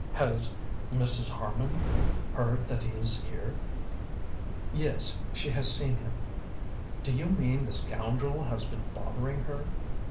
"Has Mrs. Harman heard that he is here?" "Yes; she has seen him." "Do you mean the scoundrel has been bothering her?